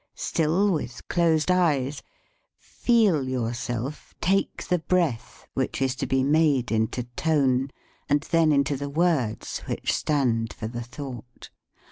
Still with closed eyes, feel yourself take the breath which is to be made into tone, and then into the words which stand for the thought.